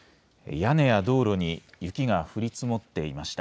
屋根や道路に雪が降り積もっていました。